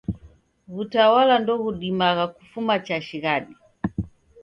W'utawala ndoghudimagha kufuma chashighadi.